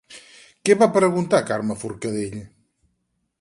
Què va preguntar Carme Forcadell?